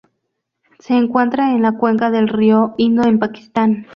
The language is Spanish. Se encuentra en la cuenca del río Indo en Pakistán.